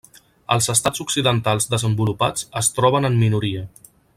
Els estats occidentals desenvolupats es troben en minoria.